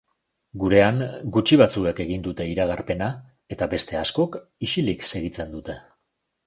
Gurean gutxi batzuek egin dute iragarpena eta beste askok ixilik segitzen dute.